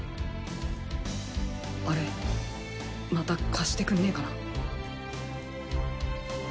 あれまた貸してくんねえかな。